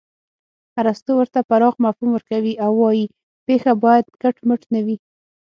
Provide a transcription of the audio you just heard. ارستو ورته پراخ مفهوم ورکوي او وايي پېښه باید کټ مټ نه وي